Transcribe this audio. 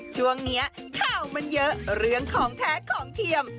ช่วงนี้ข่าวมันเยอะเรื่องของแท้ของเทียม